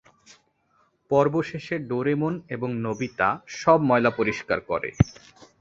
পর্ব শেষে ডোরেমন এবং নোবিতা সব ময়লা পরিষ্কার করে।